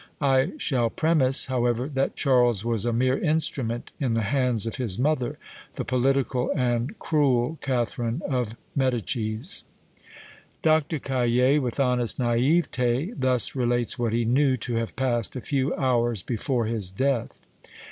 I shall premise, however, that Charles was a mere instrument in the hands of his mother, the political and cruel Catherine of Medicis. Dr. Cayet, with honest naÃŸvetÃ©, thus relates what he knew to have passed a few hours before his death.